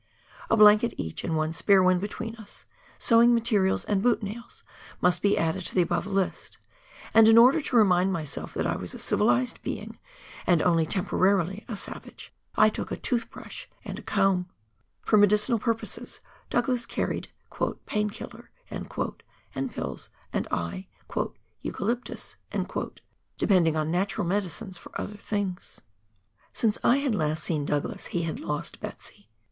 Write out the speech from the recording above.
A blanket each, and one spare one between us, sewing materials and boot nails must be added to the above list, and in order to remind myself that I was a civilised being, and only temporarily a savage, I took a tooth brush and a comb. For medicinal purposes, Douglas carried "pain killer" and pills, aad I " Eucalyptus," depending on natural medicines for other things. u KARANGARUA RIVER. 183 Since I had last seen Douglas, lie had lost "Betsy."